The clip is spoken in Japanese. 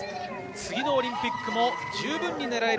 次のオリンピックも十分狙える